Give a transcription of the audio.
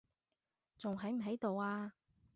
仲喺唔喺度啊？